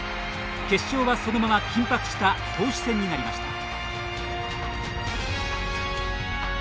決勝は、そのまま緊迫した投手戦になりました。